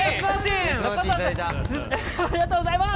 ありがとうございます。